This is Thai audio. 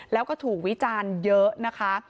แล้วก็ถูกวิจารณ์เยอะนะคะ